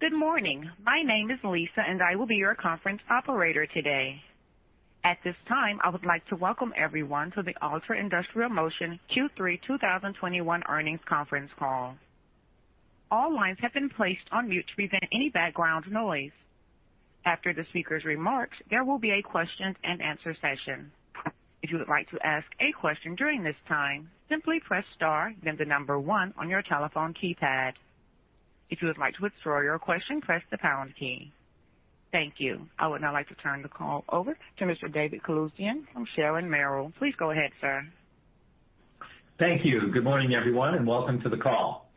Good morning. My name is Lisa, and I will be your conference operator today. At this time, I would like to welcome everyone to the Altra Industrial Motion Q3 2021 earnings conference call. All lines have been placed on mute to prevent any background noise. After the speaker's remarks, there will be a question and answer session. If you would like to ask a question during this time, simply press star then the number one on your telephone keypad. If you would like to withdraw your question, press the pound key. Thank you. I would now like to turn the call over to Mr. David Calusdian from Sharon Merrill. Please go ahead, sir. Thank you. Good morning, everyone, and welcome to the call.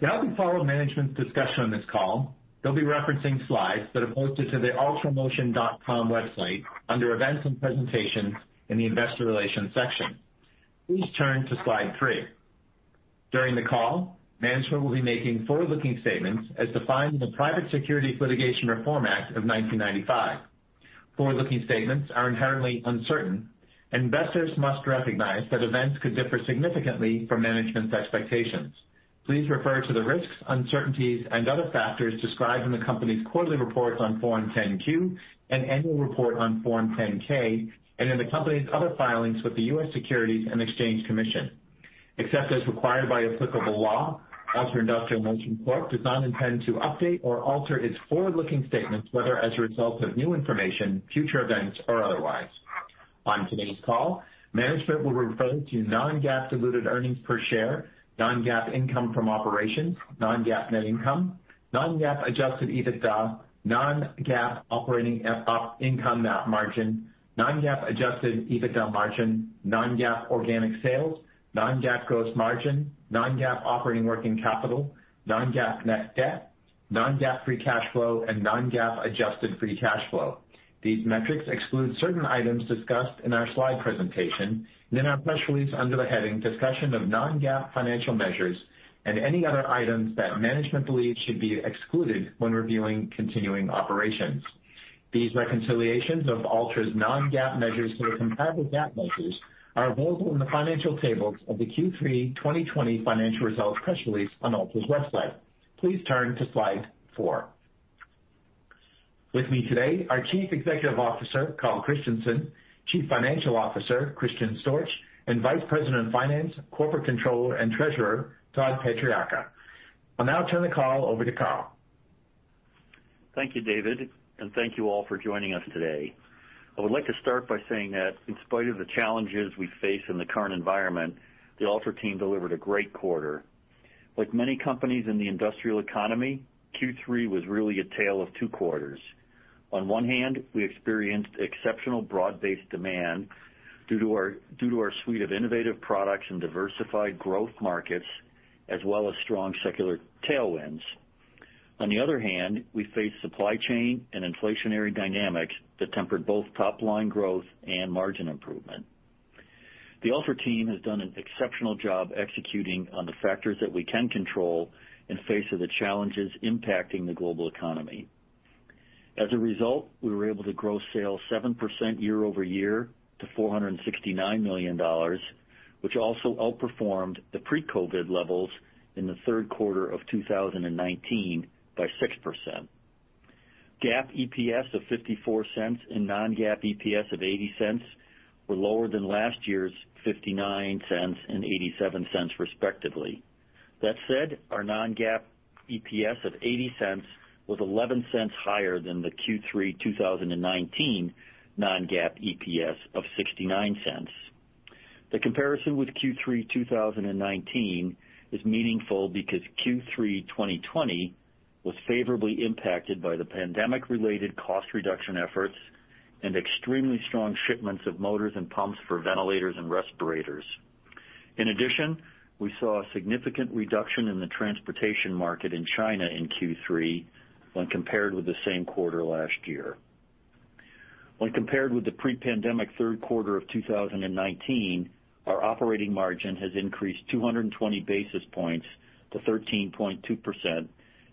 To help you follow management's discussion on this call, they'll be referencing slides that are posted to the altramotion.com website under Events and Presentations in the Investor Relations section. Please turn to Slide three. During the call, management will be making forward-looking statements as defined in the Private Securities Litigation Reform Act of 1995. Forward-looking statements are inherently uncertain, and investors must recognize that events could differ significantly from management's expectations. Please refer to the risks, uncertainties, and other factors described in the company's quarterly reports on Form 10-Q and annual report on Form 10-K, and in the company's other filings with the U.S. Securities and Exchange Commission. Except as required by applicable law, Altra Industrial Motion Corp. does not intend to update or alter its forward-looking statements, whether as a result of new information, future events, or otherwise. On today's call, management will refer to non-GAAP diluted earnings per share, non-GAAP income from operations, non-GAAP net income, non-GAAP adjusted EBITDA, non-GAAP operating income margin, non-GAAP adjusted EBITDA margin, non-GAAP organic sales, non-GAAP gross margin, non-GAAP operating working capital, non-GAAP net debt, non-GAAP free cash flow, and non-GAAP adjusted free cash flow. These metrics exclude certain items discussed in our slide presentation and in our press release under the heading "Discussion of Non-GAAP Financial Measures" and any other items that management believes should be excluded when reviewing continuing operations. These reconciliations of Altra's non-GAAP measures to the comparable GAAP measures are available in the financial tables of the Q3 2020 financial results press release on Altra's website. Please turn to Slide four. With me today are Chief Executive Officer, Carl Christenson, Chief Financial Officer, Christian Storch, and Vice President of Finance, Corporate Controller, and Treasurer, Todd Patriacca. I'll now turn the call over to Carl. Thank you, David. Thank you all for joining us today. I would like to start by saying that in spite of the challenges we face in the current environment, the Altra team delivered a great quarter. Like many companies in the industrial economy, Q3 was really a tale of two quarters. On one hand, we experienced exceptional broad-based demand due to our suite of innovative products and diversified growth markets, as well as strong secular tailwinds. On the other hand, we faced supply chain and inflationary dynamics that tempered both top-line growth and margin improvement. The Altra team has done an exceptional job executing on the factors that we can control in face of the challenges impacting the global economy. As a result, we were able to grow sales 7% year-over-year to $469 million, which also outperformed the pre-COVID levels in the third quarter of 2019 by 6%. GAAP EPS of $0.54 and non-GAAP EPS of $0.80 were lower than last year's $0.59 and $0.87 respectively. That said, our non-GAAP EPS of $0.80 was $0.11 higher than the Q3 2019 non-GAAP EPS of $0.69. The comparison with Q3 2019 is meaningful because Q3 2020 was favorably impacted by the pandemic-related cost reduction efforts and extremely strong shipments of motors and pumps for ventilators and respirators. In addition, we saw a significant reduction in the transportation market in China in Q3 when compared with the same quarter last year. When compared with the pre-pandemic third quarter of 2019, our operating margin has increased 220 basis points to 13.2%,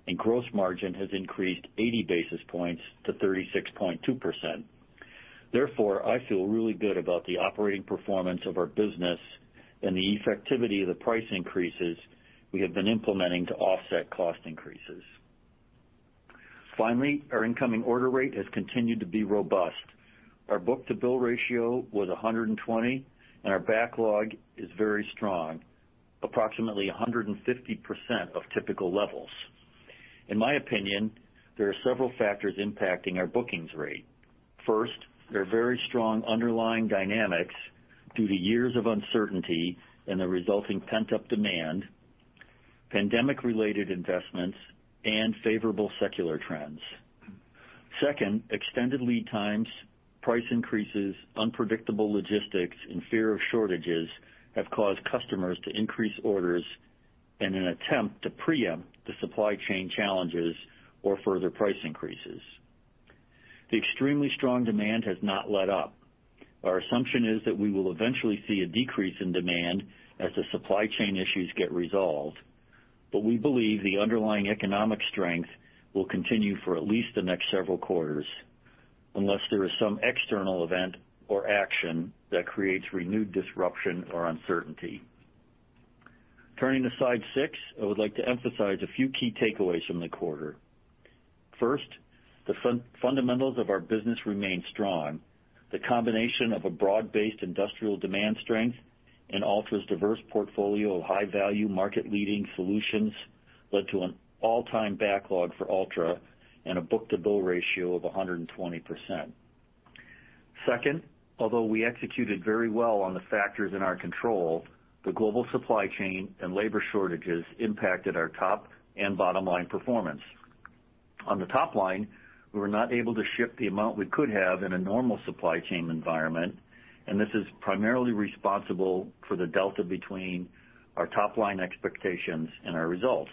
and gross margin has increased 80 basis points to 36.2%. Therefore, I feel really good about the operating performance of our business and the effectivity of the price increases we have been implementing to offset cost increases. Finally, our incoming order rate has continued to be robust. Our book-to-bill ratio was 120, and our backlog is very strong, approximately 150% of typical levels. In my opinion, there are several factors impacting our bookings rate. First, there are very strong underlying dynamics due to years of uncertainty and the resulting pent-up demand, pandemic-related investments, and favorable secular trends. Second, extended lead times, price increases, unpredictable logistics, and fear of shortages have caused customers to increase orders in an attempt to preempt the supply chain challenges or further price increases. The extremely strong demand has not let up. Our assumption is that we will eventually see a decrease in demand as the supply chain issues get resolved. We believe the underlying economic strength will continue for at least the next several quarters, unless there is some external event or action that creates renewed disruption or uncertainty. Turning to slide six, I would like to emphasize a few key takeaways from the quarter. First, the fundamentals of our business remain strong. The combination of a broad-based industrial demand strength and Altra's diverse portfolio of high-value, market-leading solutions led to an all-time backlog for Altra and a book-to-bill ratio of 120%. Second, although we executed very well on the factors in our control, the global supply chain and labor shortages impacted our top and bottom line performance. On the top line, we were not able to ship the amount we could have in a normal supply chain environment, and this is primarily responsible for the delta between our top-line expectations and our results.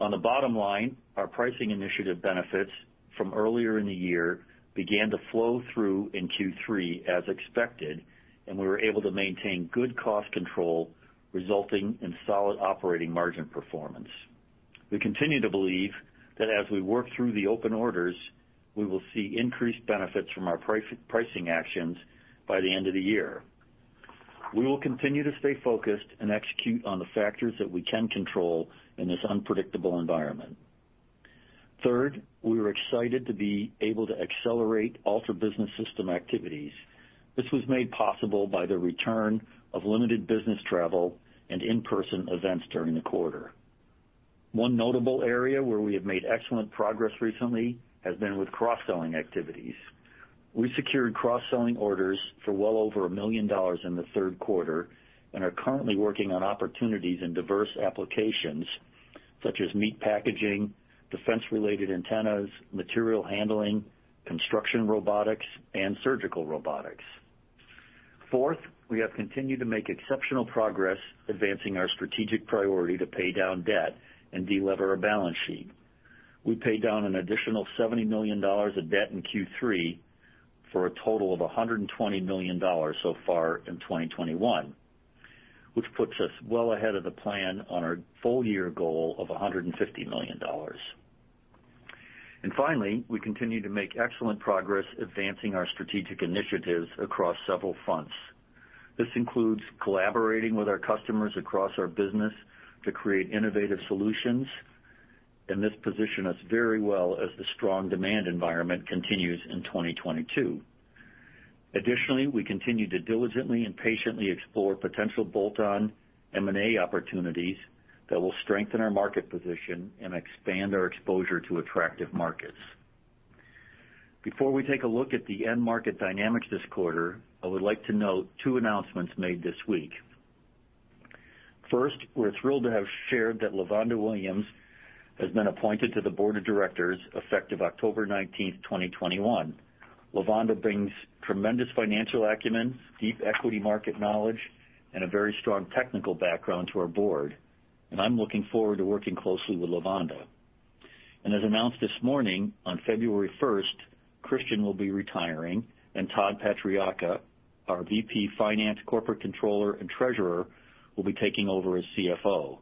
On the bottom line, our pricing initiative benefits from earlier in the year began to flow through in Q3 as expected, and we were able to maintain good cost control, resulting in solid operating margin performance. We continue to believe that as we work through the open orders, we will see increased benefits from our pricing actions by the end of the year. We will continue to stay focused and execute on the factors that we can control in this unpredictable environment. Third, we are excited to be able to accelerate Altra Business System activities. This was made possible by the return of limited business travel and in-person events during the quarter. One notable area where we have made excellent progress recently has been with cross-selling activities. We secured cross-selling orders for well over a million dollar in the third quarter and are currently working on opportunities in diverse applications such as meat packaging, defense-related antennas, material handling, construction robotics, and surgical robotics. Fourth, we have continued to make exceptional progress advancing our strategic priority to pay down debt and de-lever our balance sheet. We paid down an additional $70 million of debt in Q3 for a total of $120 million so far in 2021, which puts us well ahead of the plan on our full year goal of $150 million. Finally, we continue to make excellent progress advancing our strategic initiatives across several fronts. This includes collaborating with our customers across our business to create innovative solutions. This positions us very well as the strong demand environment continues in 2022. Additionally, we continue to diligently and patiently explore potential bolt-on M&A opportunities that will strengthen our market position and expand our exposure to attractive markets. Before we take a look at the end market dynamics this quarter, I would like to note two announcements made this week. First, we're thrilled to have shared that LaVonda Williams has been appointed to the board of directors effective October 19th, 2021. LaVonda brings tremendous financial acumen, deep equity market knowledge, and a very strong technical background to our board. I'm looking forward to working closely with LaVonda. As announced this morning, on February 1st, Christian will be retiring. Todd Patriacca, our VP Finance, Corporate Controller, and Treasurer, will be taking over as CFO.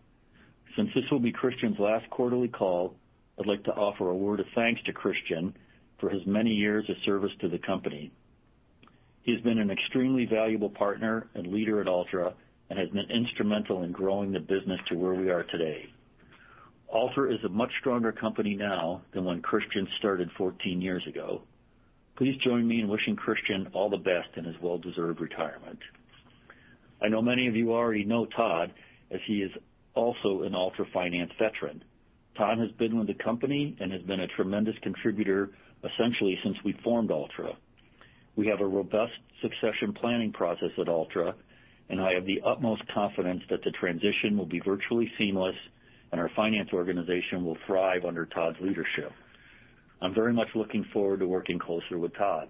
Since this will be Christian's last quarterly call, I'd like to offer a word of thanks to Christian for his many years of service to the company. He has been an extremely valuable partner and leader at Altra and has been instrumental in growing the business to where we are today. Altra is a much stronger company now than when Christian started 14 years ago. Please join me in wishing Christian all the best in his well-deserved retirement. I know many of you already know Todd, as he is also an Altra finance veteran. Todd has been with the company and has been a tremendous contributor essentially since we formed Altra. We have a robust succession planning process at Altra, and I have the utmost confidence that the transition will be virtually seamless and our finance organization will thrive under Todd's leadership. I'm very much looking forward to working closer with Todd.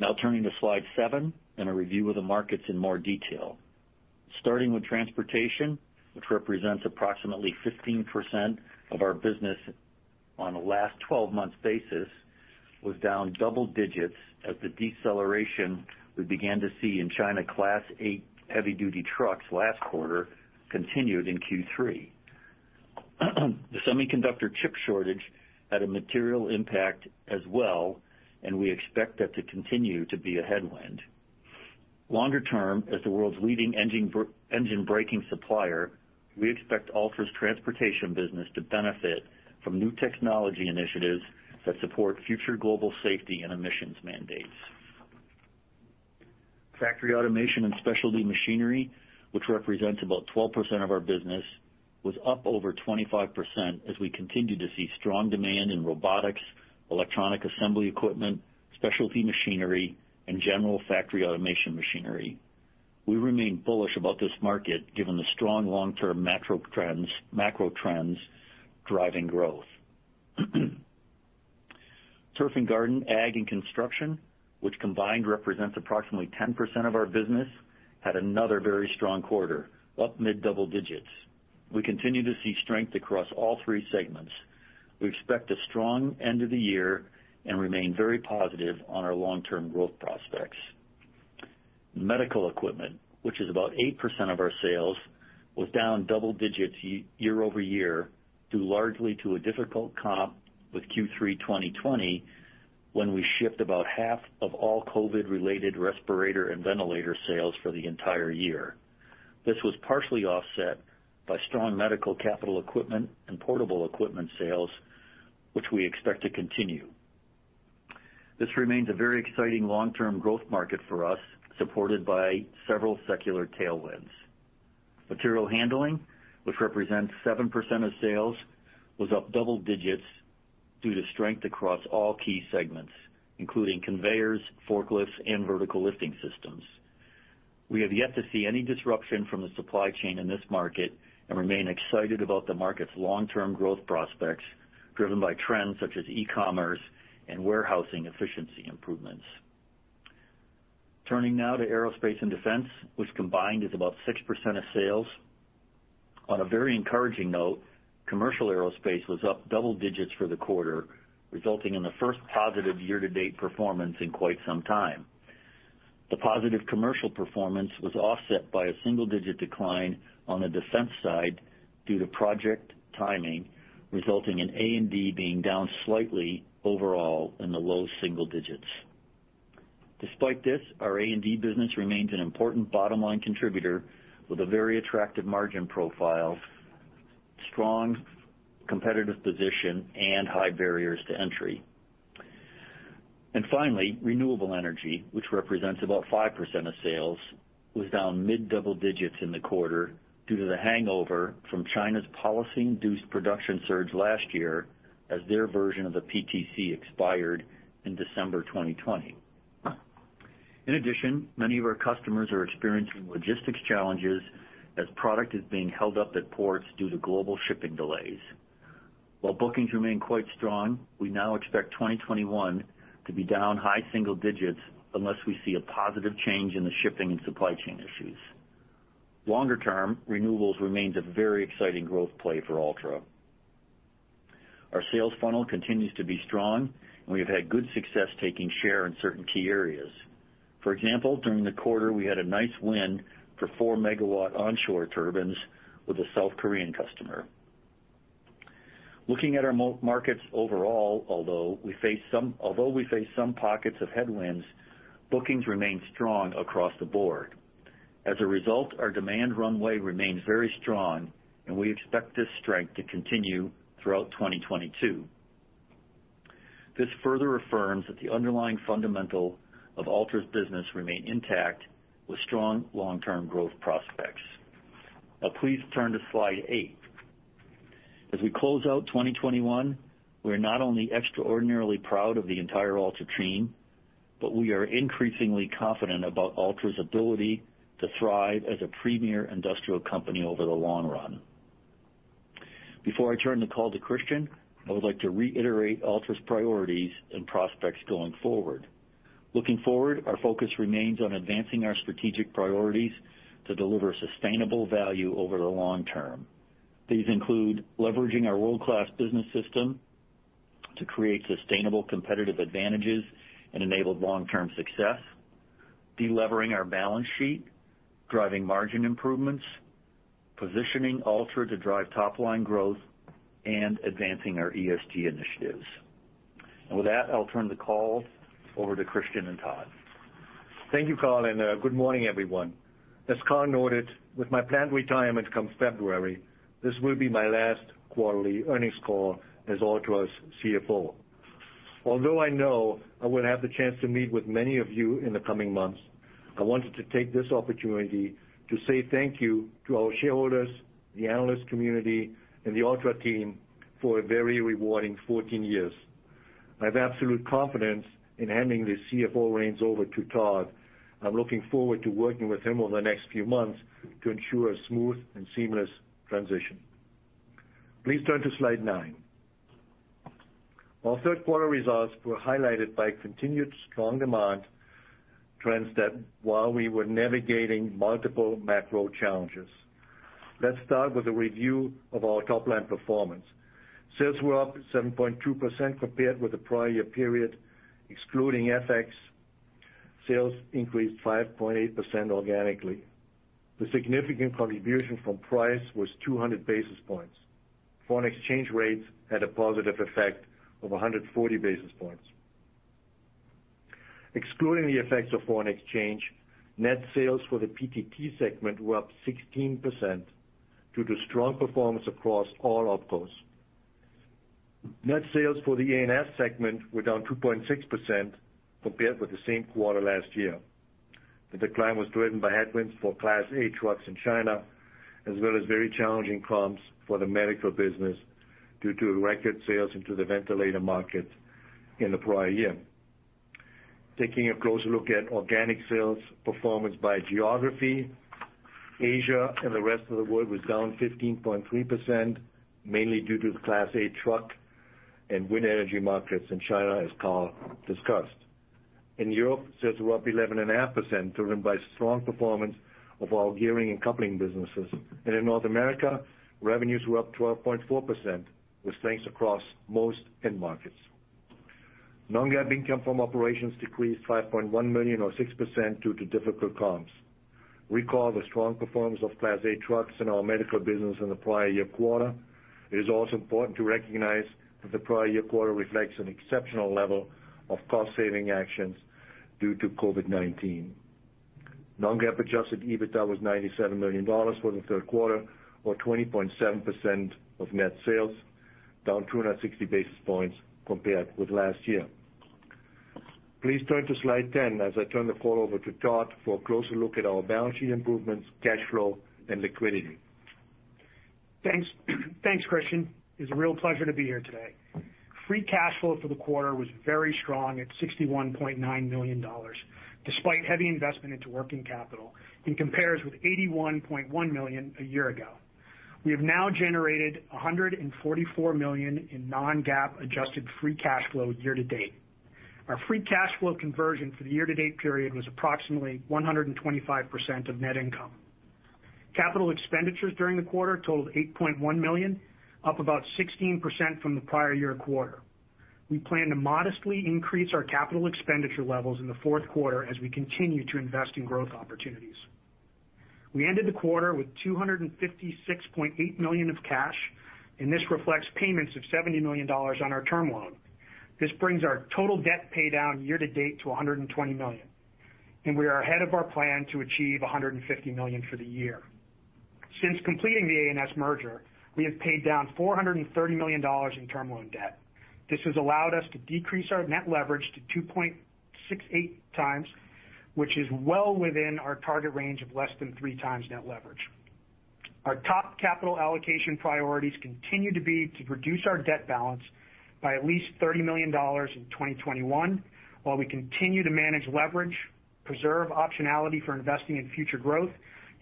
Now turning to slide seven and a review of the markets in more detail. Starting with transportation, which represents approximately 15% of our business on a last 12 months basis, was down double digits as the deceleration we began to see in China Class 8 heavy-duty trucks last quarter continued in Q3. The semiconductor chip shortage had a material impact as well, and we expect that to continue to be a headwind. Longer term, as the world's leading engine braking supplier, we expect Altra's transportation business to benefit from new technology initiatives that support future global safety and emissions mandates. Factory automation and specialty machinery, which represents about 12% of our business, was up over 25% as we continue to see strong demand in robotics, electronic assembly equipment, specialty machinery, and general factory automation machinery. We remain bullish about this market given the strong long-term macro trends driving growth. Turf and Garden, Ag and Construction, which combined represents approximately 10% of our business, had another very strong quarter, up mid double digits. We continue to see strength across all three segments. We expect a strong end of the year and remain very positive on our long-term growth prospects. Medical equipment, which is about 8% of our sales was down double digits year-over-year, due largely to a difficult comp with Q3 2020, when we shipped about half of all COVID-related respirator and ventilator sales for the entire year. This was partially offset by strong medical capital equipment and portable equipment sales, which we expect to continue. This remains a very exciting long-term growth market for us, supported by several secular tailwinds. Material handling, which represents 7% of sales, was up double digits due to strength across all key segments, including conveyors, forklifts, and vertical lifting systems. We have yet to see any disruption from the supply chain in this market and remain excited about the market's long-term growth prospects, driven by trends such as e-commerce and warehousing efficiency improvements. Turning now to aerospace and defense, which combined is about 6% of sales. On a very encouraging note, commercial aerospace was up double digits for the quarter, resulting in the first positive year-to-date performance in quite some time. The positive commercial performance was offset by a single-digit decline on the defense side due to project timing, resulting in A&D being down slightly overall in the low single digits. Despite this, our A&D business remains an important bottom-line contributor with a very attractive margin profile, strong competitive position, and high barriers to entry. Finally, renewable energy, which represents about 5% of sales, was down mid-double digits in the quarter due to the hangover from China's policy-induced production surge last year as their version of the PTC expired in December 2020. In addition, many of our customers are experiencing logistics challenges as product is being held up at ports due to global shipping delays. While bookings remain quite strong, we now expect 2021 to be down high single digits unless we see a positive change in the shipping and supply chain issues. Longer term, renewables remains a very exciting growth play for Altra. Our sales funnel continues to be strong, and we have had good success taking share in certain key areas. For example, during the quarter, we had a nice win for 4 MW onshore turbines with a South Korean customer. Looking at our markets overall, although we face some pockets of headwinds, bookings remain strong across the board. As a result, our demand runway remains very strong, and we expect this strength to continue throughout 2022. This further affirms that the underlying fundamental of Altra's business remains intact with strong long-term growth prospects. Now please turn to slide eight. As we close out 2021, we are not only extraordinarily proud of the entire Altra team, but we are increasingly confident about Altra's ability to thrive as a premier industrial company over the long run. Before I turn the call to Christian, I would like to reiterate Altra's priorities and prospects going forward. Looking forward, our focus remains on advancing our strategic priorities to deliver sustainable value over the long term. These include leveraging our world-class Altra Business System to create sustainable competitive advantages and enable long-term success, de-levering our balance sheet, driving margin improvements, positioning Altra to drive top-line growth, and advancing our ESG initiatives. With that, I'll turn the call over to Christian and Todd. Thank you, Carl. Good morning, everyone. As Carl noted, with my planned retirement come February, this will be my last quarterly earnings call as Altra's CFO. Although I know I will have the chance to meet with many of you in the coming months, I wanted to take this opportunity to say thank you to our shareholders, the analyst community, and the Altra team for a very rewarding 14 years. I have absolute confidence in handing the CFO reins over to Todd. I'm looking forward to working with him over the next few months to ensure a smooth and seamless transition. Please turn to slide 9. Our third quarter results were highlighted by continued strong demand trends that while we were navigating multiple macro challenges. Let's start with a review of our top-line performance. Sales were up 7.2% compared with the prior year period. Excluding FX, sales increased 5.8% organically. The significant contribution from price was 200 basis points. Foreign exchange rates had a positive effect of 140 basis points. Excluding the effects of foreign exchange, net sales for the PTT segment were up 16% due to strong performance across all opcos. Net sales for the A&S segment were down 2.6% compared with the same quarter last year. The decline was driven by headwinds for Class 8 trucks in China, as well as very challenging comps for the medical business due to record sales into the ventilator market in the prior year. Taking a closer look at organic sales performance by geography, Asia and the rest of the world was down 15.3%, mainly due to the Class 8 truck and wind energy markets in China, as Carl discussed. In Europe, sales were up 11.5%, driven by strong performance of our gearing and coupling businesses. In North America, revenues were up 12.4%, with strengths across most end markets. Non-GAAP income from operations decreased $5.1 million, or 6%, due to difficult comps. Recall the strong performance of Class 8 trucks in our medical business in the prior year quarter. It is also important to recognize that the prior year quarter reflects an exceptional level of cost-saving actions due to COVID-19. Non-GAAP adjusted EBITDA was $97 million for the third quarter, or 20.7% of net sales, down 260 basis points compared with last year. Please turn to slide 10 as I turn the call over to Todd for a closer look at our balance sheet improvements, cash flow, and liquidity. Thanks, Christian. It's a real pleasure to be here today. Free cash flow for the quarter was very strong at $61.9 million, despite heavy investment into working capital, and compares with $81.1 million a year ago. We have now generated $144 million in non-GAAP adjusted free cash flow year to date. Our free cash flow conversion for the year to date period was approximately 125% of net income. Capital expenditures during the quarter totaled $8.1 million, up about 16% from the prior year quarter. We plan to modestly increase our capital expenditure levels in the fourth quarter as we continue to invest in growth opportunities. We ended the quarter with $256.8 million of cash, and this reflects payments of $70 million on our term loan. This brings our total debt paydown year to date to $120 million, and we are ahead of our plan to achieve $150 million for the year. Since completing the A&S merger, we have paid down $430 million in term loan debt. This has allowed us to decrease our net leverage to 2.68x, which is well within our target range of less than 3x net leverage. Our top capital allocation priorities continue to be to reduce our debt balance by at least $30 million in 2021, while we continue to manage leverage, preserve optionality for investing in future growth,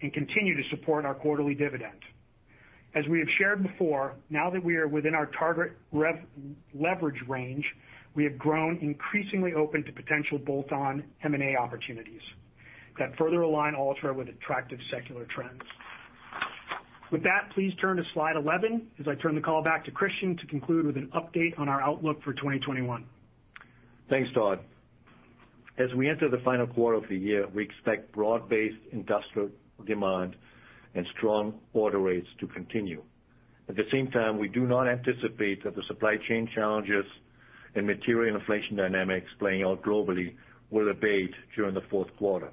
and continue to support our quarterly dividend. As we have shared before, now that we are within our target leverage range, we have grown increasingly open to potential bolt-on M&A opportunities that further align Altra with attractive secular trends. With that, please turn to slide 11 as I turn the call back to Christian to conclude with an update on our outlook for 2021. Thanks, Todd. As we enter the final quarter of the year, we expect broad-based industrial demand and strong order rates to continue. At the same time, we do not anticipate that the supply chain challenges and material inflation dynamics playing out globally will abate during the fourth quarter.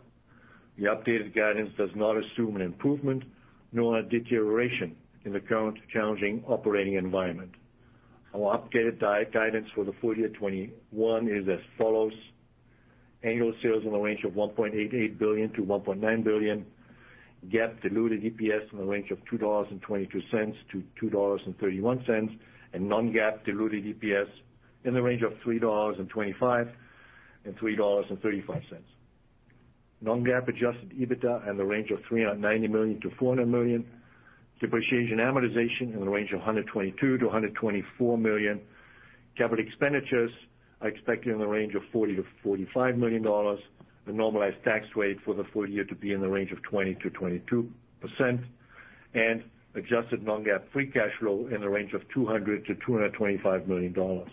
The updated guidance does not assume an improvement nor a deterioration in the current challenging operating environment. Our updated guidance for the full year 2021 is as follows: annual sales in the range of $1.88 billion-$1.9 billion, GAAP diluted EPS in the range of $2.22-$2.31, and non-GAAP diluted EPS in the range of $3.25-$3.35. non-GAAP adjusted EBITDA in the range of $390 million-$400 million. Depreciation and amortization in the range of $122 million-$124 million. Capital expenditures are expected in the range of $40 million-$45 million. The normalized tax rate for the full year to be in the range of 20%-22%. Adjusted non-GAAP free cash flow in the range of $200 million-$225 million.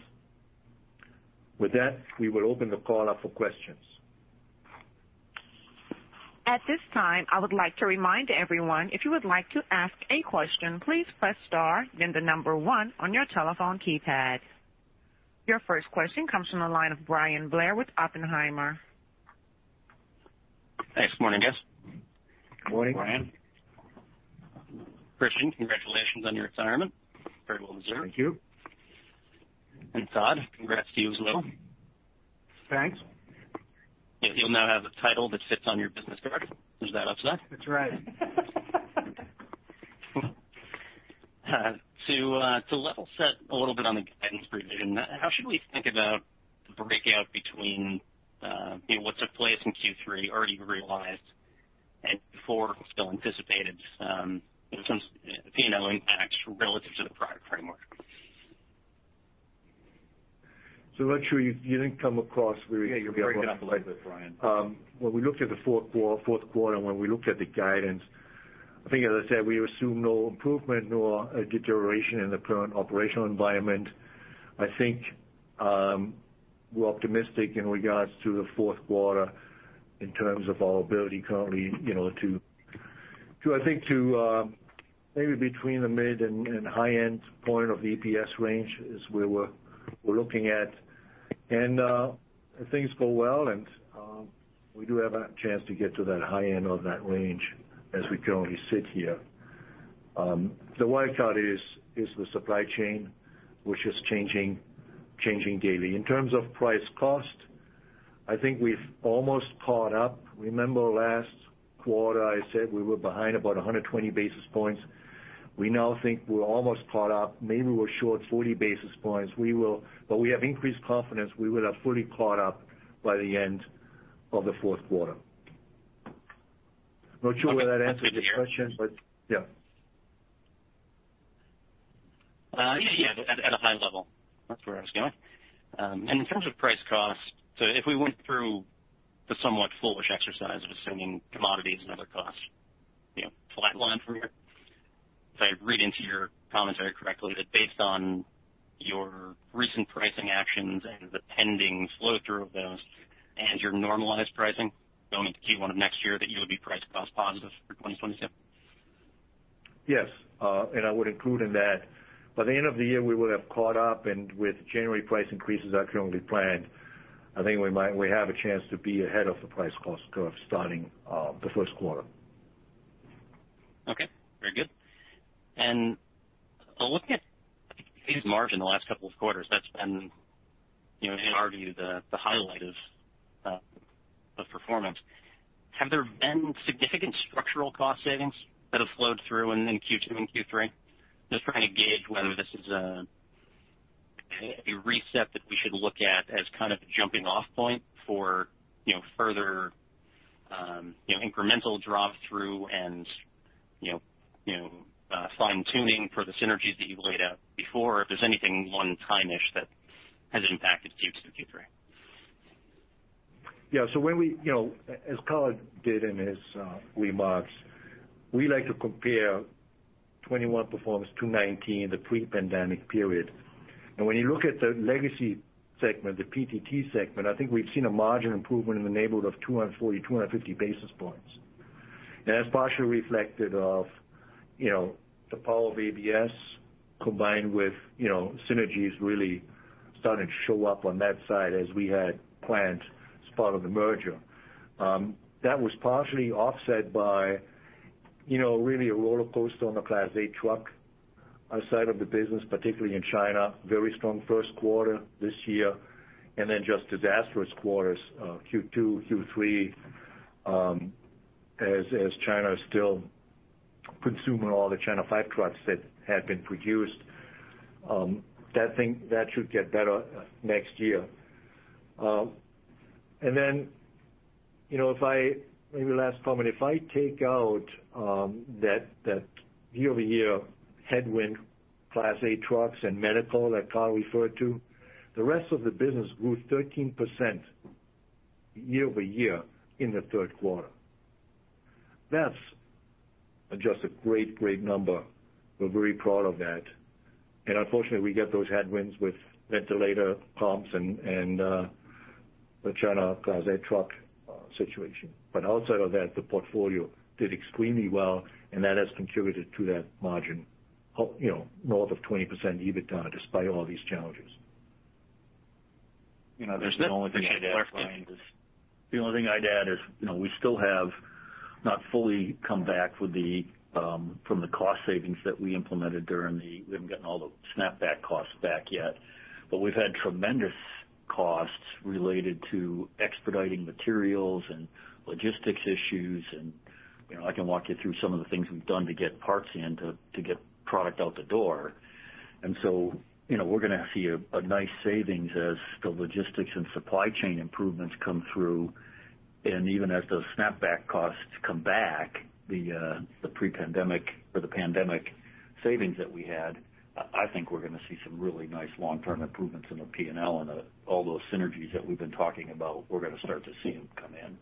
With that, we will open the call up for questions. Your first question comes from the line of Bryan Blair with Oppenheimer. Thanks. Morning, guys. Morning. Morning. Christian, congratulations on your retirement. Very well deserved. Thank you. Todd, congrats to you as well. Thanks. You'll now have a title that fits on your business card. Is that upside? That's right. To level set a little bit on the guidance revision, how should we think about the breakout between what took place in Q3 already realized and before still anticipated, in terms of P&L impacts relative to the prior framework? Not sure you didn't come across very clearly. Yeah, you broke up a little bit, Bryan. When we looked at the fourth quarter, when we looked at the guidance, I think as I said, we assume no improvement nor a deterioration in the current operational environment. I think we're optimistic in regards to the fourth quarter in terms of our ability currently to maybe between the mid and high-end point of the EPS range is where we're looking at. If things go well, we do have a chance to get to that high end of that range as we currently sit here. The wild card is the supply chain, which is changing daily. In terms of price cost, I think we've almost caught up. Remember last quarter I said we were behind about 120 basis points. We now think we're almost caught up. Maybe we're short 40 basis points. We have increased confidence we will have fully caught up by the end of the fourth quarter. Not sure whether that answers your question. Okay. Yeah. Yeah. At a high level. That's where I was going. In terms of price cost, if we went through the somewhat foolish exercise of assuming commodities and other costs flatline from here. If I read into your commentary correctly, that based on your recent pricing actions and the pending flow-through of those and your normalized pricing going into Q1 of next year, that you would be price cost positive for 2022? Yes. I would include in that, by the end of the year, we would have caught up, with January price increases that are currently planned, I think we have a chance to be ahead of the price cost curve starting the first quarter. Okay. Very good. Looking at increased margin the last couple of quarters, that's been, in our view, the highlight of performance. Have there been significant structural cost savings that have flowed through in Q2 and Q3? Just trying to gauge whether this is a reset that we should look at as kind of a jumping-off point for further incremental drop-through and fine-tuning for the synergies that you've laid out before, or if there's anything one-time-ish that has impacted Q2, Q3. As Carl did in his remarks, we like to compare 2021 performance to 2019, the pre-pandemic period. When you look at the legacy segment, the Power Transmission Technologies segment, I think we've seen a margin improvement in the neighborhood of 240, 250 basis points. That's partially reflective of the power of ABS combined with synergies really starting to show up on that side as we had planned as part of the merger. That was partially offset by really a rollercoaster on the Class 8 truck side of the business, particularly in China. Very strong first quarter this year, and then just disastrous quarters Q2, Q3, as China is still consuming all the China V trucks that had been produced. That should get better next year. Then maybe the last comment, if I take out that year-over-year headwind, Class 8 trucks and medical that Carl referred to, the rest of the business grew 13% year-over-year in the third quarter. That's just a great number. We're very proud of that. Unfortunately, we get those headwinds with ventilator comps and the China Class 8 truck situation. Outside of that, the portfolio did extremely well, and that has contributed to that margin north of 20% EBITDA, despite all these challenges. Appreciate that, Carl. The only thing I'd add is we still have not fully come back from the cost savings that we implemented. We haven't gotten all the snapback costs back yet. We've had tremendous costs related to expediting materials and logistics issues, and I can walk you through some of the things we've done to get parts in to get product out the door. We're going to see a nice savings as the logistics and supply chain improvements come through. Even as those snapback costs come back, the pre-pandemic or the pandemic savings that we had, I think we're going to see some really nice long-term improvements in the P&L and all those synergies that we've been talking about, we're going to start to see them come in.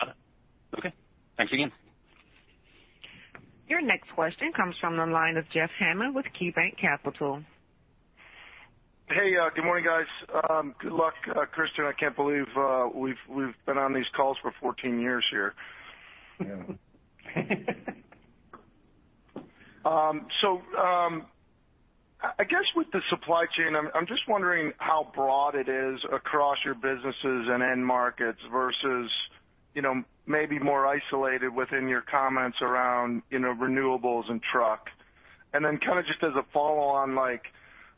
Got it. Okay. Thanks again. Your next question comes from the line of Jeff Hammond with KeyBanc Capital. Hey, good morning, guys. Good luck, Christian. I can't believe we've been on these calls for 14 years here. Yeah. I guess with the supply chain, I'm just wondering how broad it is across your businesses and end markets versus maybe more isolated within your comments around renewables and truck. Kind of just as a follow on,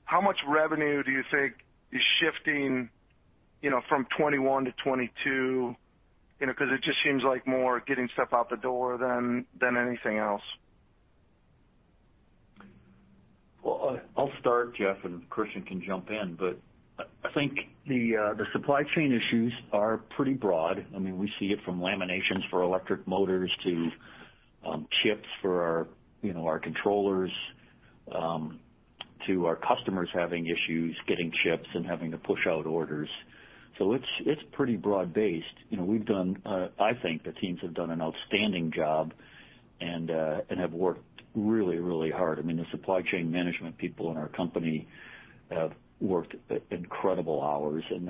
how much revenue do you think is shifting from 2021 to 2022? Because it just seems like more getting stuff out the door than anything else. I'll start, Jeff, and Christian can jump in, but I think the supply chain issues are pretty broad. We see it from laminations for electric motors to chips for our controllers, to our customers having issues getting chips and having to push out orders. It's pretty broad based. I think the teams have done an outstanding job and have worked really hard. The supply chain management people in our company have worked incredible hours in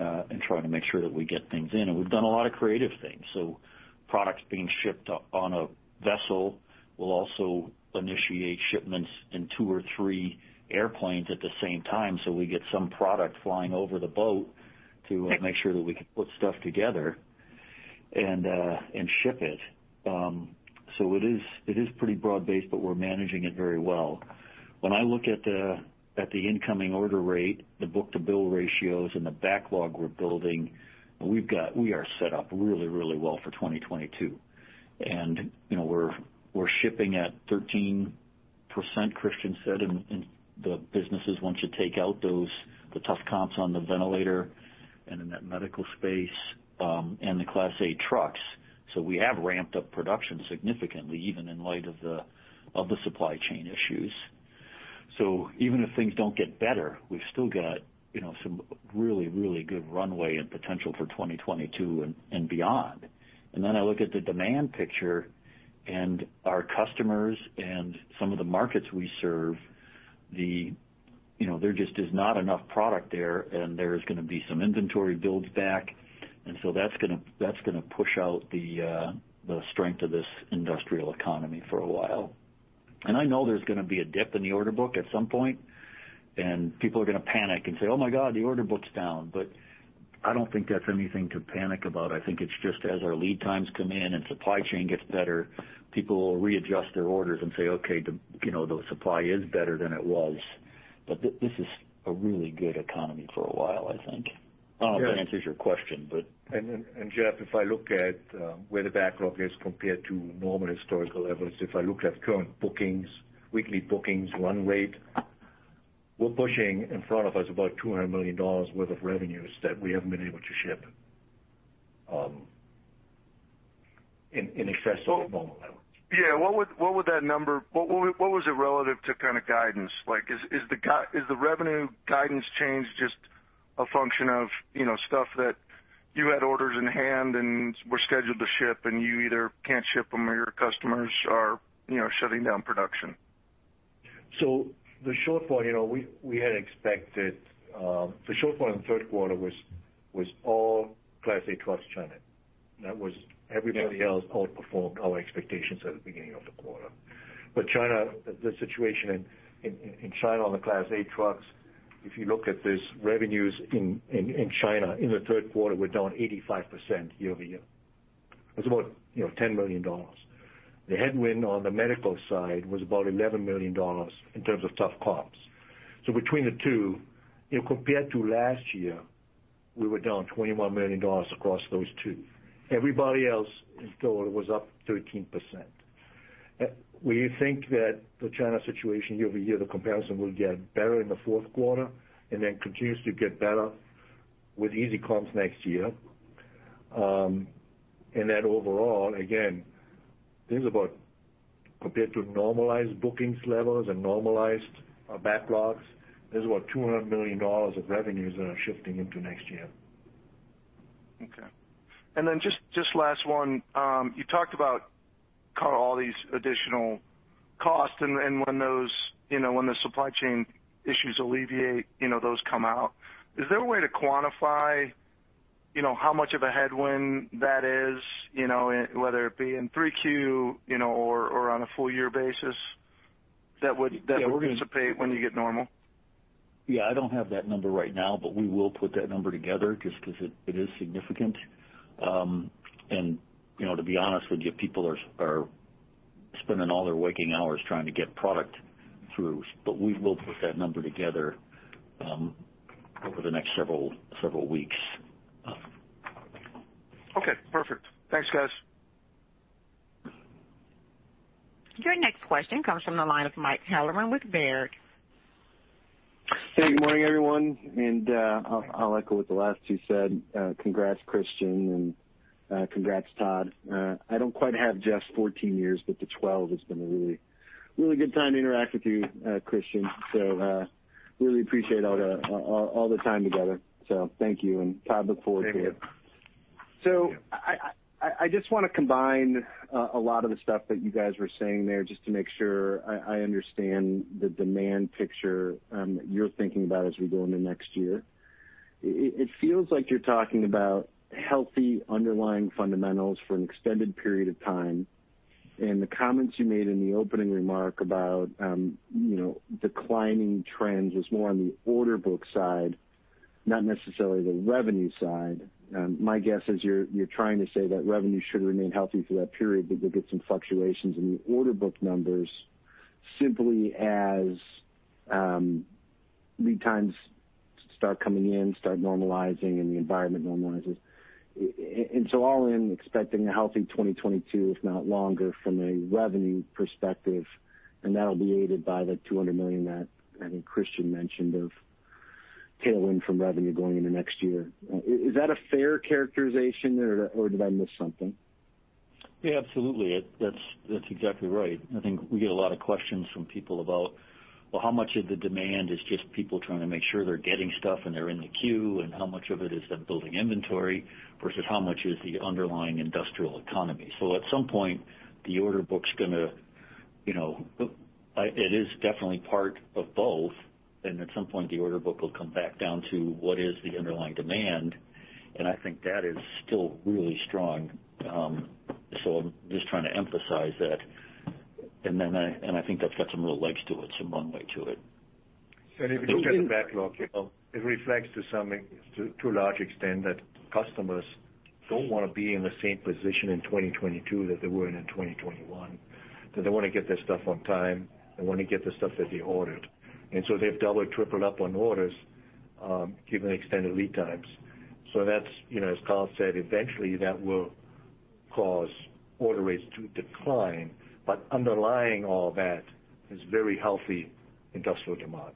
trying to make sure that we get things in. We've done a lot of creative things. Products being shipped on a vessel will also initiate shipments in two or three airplanes at the same time, so we get some product flying over the boat to make sure that we can put stuff together and ship it. It is pretty broad based, but we're managing it very well. When I look at the incoming order rate, the book-to-bill ratios, and the backlog we're building, we are set up really well for 2022. We're shipping at 13%, Christian said, in the businesses, once you take out the tough comps on the ventilator and in that medical space, and the Class 8 trucks. We have ramped up production significantly, even in light of the supply chain issues. Even if things don't get better, we've still got some really, really good runway and potential for 2022 and beyond. I look at the demand picture and our customers and some of the markets we serve, there just is not enough product there, and there's going to be some inventory builds back. That's going to push out the strength of this industrial economy for a while. I know there's going to be a dip in the order book at some point, and people are going to panic and say, "Oh my God, the order book's down." I don't think that's anything to panic about. I think it's just as our lead times come in and supply chain gets better, people will readjust their orders and say, "Okay, the supply is better than it was." This is a really good economy for a while, I think. I don't know if that answers your question. Jeff, if I look at where the backlog is compared to normal historical levels, if I look at current bookings, weekly bookings, run rate, we're pushing in front of us about $200 million worth of revenues that we haven't been able to ship in excess of normal levels. What was it relative to kind of guidance? Is the revenue guidance change just a function of stuff that you had orders in hand and were scheduled to ship and you either can't ship them or your customers are shutting down production? The shortfall in the third quarter was all Class 8 trucks, China. Everybody else outperformed our expectations at the beginning of the quarter. The situation in China on the Class 8 trucks, if you look at this, revenues in China in the third quarter were down 85% year-over-year. It was about $10 million. The headwind on the medical side was about $11 million in terms of tough comps. Between the two, compared to last year, we were down $21 million across those two. Everybody else in total was up 13%. We think that the China situation year-over-year, the comparison will get better in the fourth quarter and then continues to get better with easy comps next year. That overall, again, compared to normalized bookings levels and normalized backlogs, there's about $200 million of revenues that are shifting into next year. Okay. Just last one. You talked about kind of all these additional costs and when the supply chain issues alleviate, those come out. Is there a way to quantify how much of a headwind that is, whether it be in 3Q or on a full year basis? Yeah. Do you anticipate when you get normal? Yeah, I don't have that number right now. We will put that number together just because it is significant. To be honest with you, people are spending all their waking hours trying to get product through. We will put that number together over the next several weeks. Okay, perfect. Thanks, guys. Your next question comes from the line of Michael Halloran with Baird. Hey, good morning, everyone. I'll echo what the last two said. Congrats, Christian, and congrats, Todd. I don't quite have Jeff's 14 years, but the 12 has been a really good time to interact with you, Christian. Really appreciate all the time together. Thank you, and Todd, look forward to it. Thank you. I just want to combine a lot of the stuff that you guys were saying there just to make sure I understand the demand picture you're thinking about as we go into next year. It feels like you're talking about healthy underlying fundamentals for an extended period of time, and the comments you made in the opening remark about declining trends is more on the order book side, not necessarily the revenue side. My guess is you're trying to say that revenue should remain healthy through that period, but you'll get some fluctuations in the order book numbers simply as lead times start coming in, start normalizing, and the environment normalizes. All in expecting a healthy 2022, if not longer, from a revenue perspective, and that'll be aided by the $200 million that I think Christian mentioned of tailwind from revenue going into next year. Is that a fair characterization, or did I miss something? Yeah, absolutely. That's exactly right. I think we get a lot of questions from people about, well, how much of the demand is just people trying to make sure they're getting stuff and they're in the queue, and how much of it is them building inventory versus how much is the underlying industrial economy? At some point, it is definitely part of both, at some point, the order book will come back down to what is the underlying demand, and I think that is still really strong. I'm just trying to emphasize that. I think that's got some real legs to it, some runway to it. If you look at the backlog, it reflects to a large extent that customers don't want to be in the same position in 2022 that they were in in 2021, that they want to get their stuff on time. They want to get the stuff that they ordered. They've double or tripled up on orders given the extended lead times. That's, as Carl said, eventually that will cause order rates to decline. Underlying all that is very healthy industrial demand.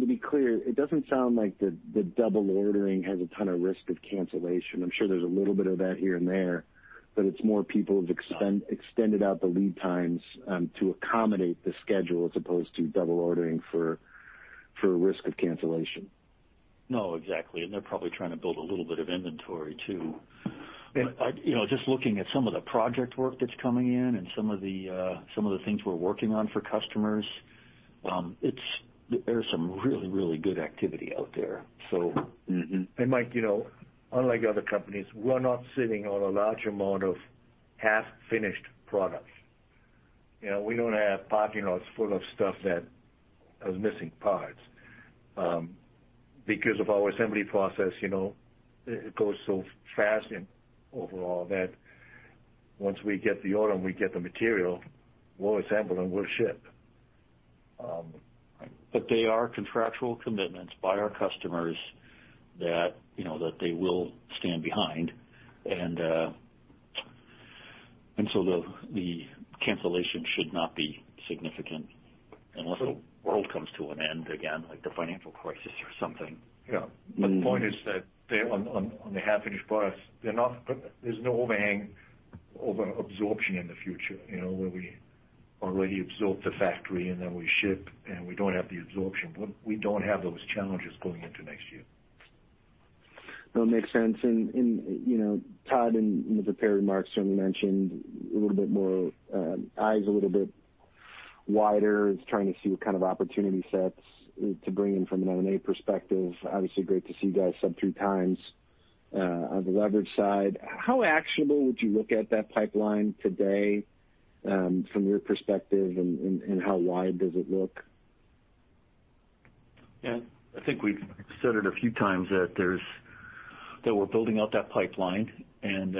To be clear, it doesn't sound like the double ordering has a ton of risk of cancellation. I'm sure there's a little bit of that here and there, but it's more people have extended out the lead times to accommodate the schedule as opposed to double ordering for risk of cancellation. No, exactly. They're probably trying to build a little bit of inventory, too. Just looking at some of the project work that's coming in and some of the things we're working on for customers, there's some really good activity out there. Mike, unlike other companies, we're not sitting on a large amount of half-finished products. We don't have parking lots full of stuff that are missing parts. Because of our assembly process, it goes so fast overall that once we get the order and we get the material, we'll assemble and we'll ship. They are contractual commitments by our customers that they will stand behind. The cancellation should not be significant unless the world comes to an end again, like the financial crisis or something. The point is that on the half-finished products, there's no overhang over absorption in the future, where we already absorbed the factory and then we ship and we don't have the absorption. We don't have those challenges going into next year. No, makes sense. Todd, in the prepared remarks, certainly mentioned a little bit more, eyes a little bit wider, trying to see what kind of opportunity sets to bring in from an M&A perspective. Obviously great to see you guys sub 3x on the leverage side. How actionable would you look at that pipeline today from your perspective, and how wide does it look? Yeah, I think we've said it a few times that we're building out that pipeline, and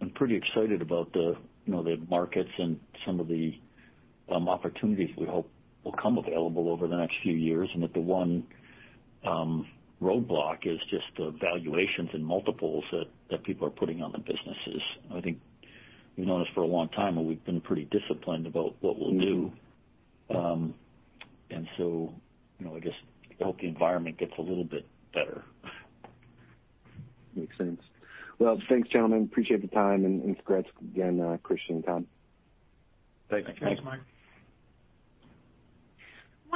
I'm pretty excited about the markets and some of the opportunities we hope will come available over the next few years. That the one roadblock is just the valuations and multiples that people are putting on the businesses. I think you've known us for a long time, and we've been pretty disciplined about what we'll do. I just hope the environment gets a little bit better. Makes sense. Thanks, gentlemen. Appreciate the time and congrats again, Christian, Todd. Thanks. Thanks. Thanks, Mike.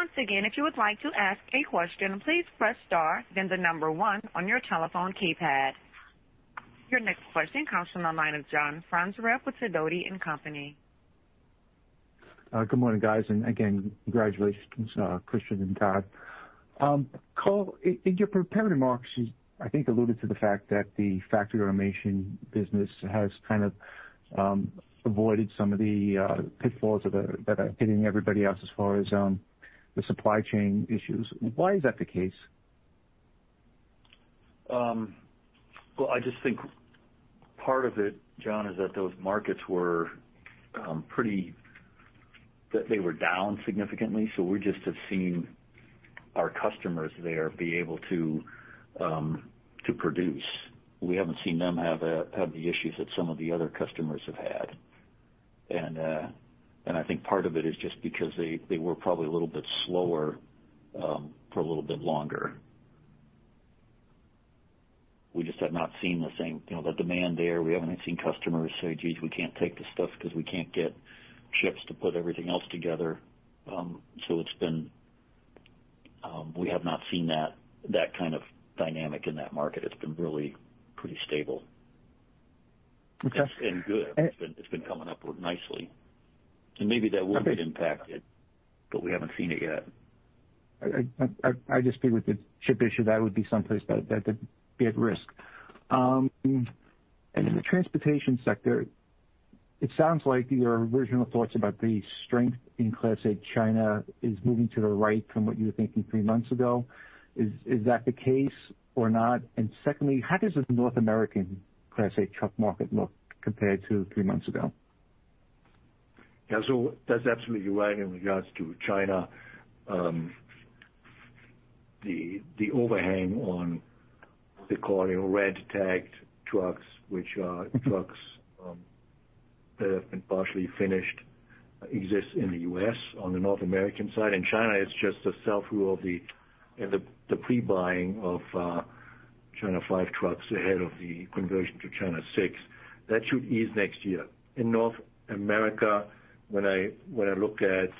Once again, if you would like to ask a question, please press star, then the number one on your telephone keypad. Your next question comes from the line of John Franzreb with Sidoti & Company. Good morning, guys. Again, congratulations, Christian and Todd. Carl, in your prepared remarks, you, I think, alluded to the fact that the factory automation business has kind of avoided some of the pitfalls that are hitting everybody else as far as the supply chain issues. Why is that the case? Well, I just think part of it, John, is that those markets were down significantly. We just have seen our customers there be able to produce. We haven't seen them have the issues that some of the other customers have had. I think part of it is just because they were probably a little bit slower for a little bit longer. We just have not seen the demand there. We haven't seen customers say, "Geez, we can't take the stuff because we can't get chips to put everything else together." We have not seen that kind of dynamic in that market. It's been really pretty stable. Okay. Good. It's been coming upward nicely. Maybe that will get impacted, but we haven't seen it yet. I just agree with the chip issue. That would be someplace that'd be at risk. In the transportation sector, it sounds like your original thoughts about the strength in Class 8 China is moving to the right from what you were thinking three months ago. Is that the case or not? Secondly, how does the North American Class 8 truck market look compared to three months ago? Yeah. That's absolutely right in regards to China. The overhang on what they call red tagged trucks, which are trucks that have been partially finished, exists in the U.S. on the North American side. In China, it's just the sell-through of the pre-buying of China V trucks ahead of the conversion to China VI. That should ease next year. In North America, when I look at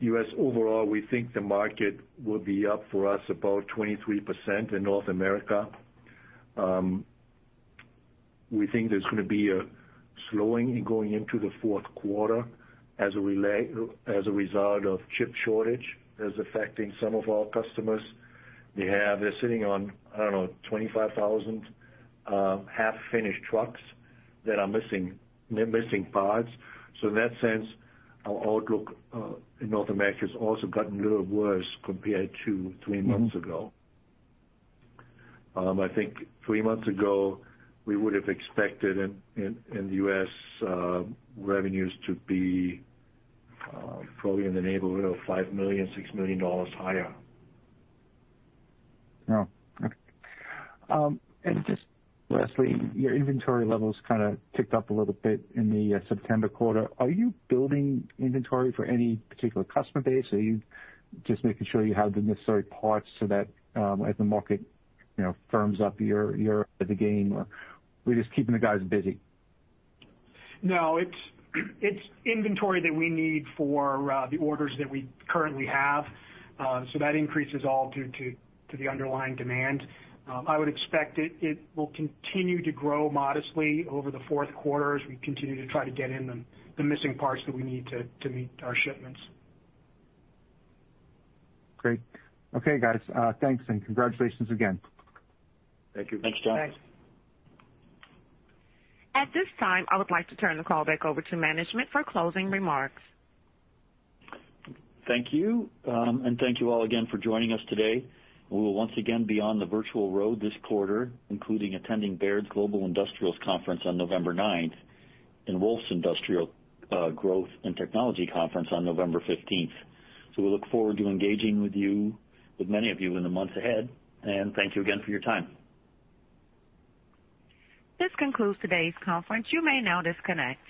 U.S. overall, we think the market will be up for us about 23% in North America. We think there's going to be a slowing going into the fourth quarter as a result of chip shortage that is affecting some of our customers. They're sitting on, I don't know, 25,000 half-finished trucks that are missing parts. In that sense, our outlook in North America has also gotten a little worse compared to three months ago. I think three months ago, we would have expected in U.S. revenues to be probably in the neighborhood of $5 million, $6 million higher. Oh, okay. Just lastly, your inventory levels kind of ticked up a little bit in the September quarter. Are you building inventory for any particular customer base? Are you just making sure you have the necessary parts so that as the market firms up, you're ahead of the game? Are we just keeping the guys busy? It's inventory that we need for the orders that we currently have. That increase is all due to the underlying demand. I would expect it will continue to grow modestly over the fourth quarter as we continue to try to get in the missing parts that we need to meet our shipments. Great. Okay, guys. Thanks and congratulations again. Thank you. Thanks, John. Thanks. At this time, I would like to turn the call back over to management for closing remarks. Thank you. Thank you all again for joining us today. We will once again be on the virtual road this quarter, including attending Baird's Global Industrial Conference on November 9th and Wolfe Research Industrial Growth and Technology Conference on November 15th. We look forward to engaging with many of you in the months ahead, and thank you again for your time. This concludes today's conference. You may now disconnect.